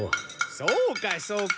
そうかそうか。